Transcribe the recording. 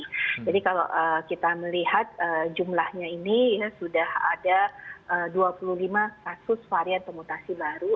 jadi kalau kita melihat jumlahnya ini sudah ada dua puluh lima kasus varian pemutasi baru